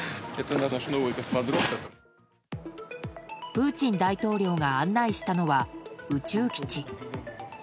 プーチン大統領が案内したのは宇宙基地。